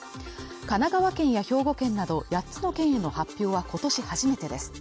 神奈川県や兵庫県など８つの県への発表は今年初めてです。